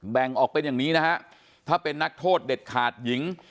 แบ่งออกเป็นอย่างนี้นะฮะถ้าเป็นนักโทษเด็ดขาดหญิง